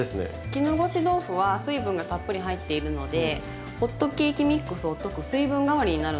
絹ごし豆腐は水分がたっぷり入っているのでホットケーキミックスを溶く水分代わりになるんですよ。